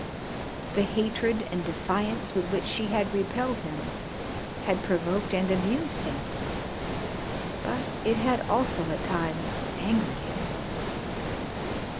The hatred and defiance with which she had repelled him had provoked and amused him, but it had also at times angered him.